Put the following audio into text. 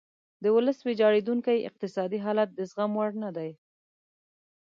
د ولس ویجاړیدونکی اقتصادي حالت د زغم وړ نه دی.